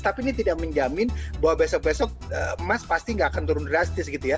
tapi ini tidak menjamin bahwa besok besok emas pasti nggak akan turun drastis gitu ya